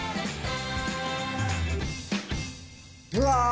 うわ！